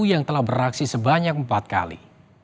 yang telah beraksi sebanyak empat kali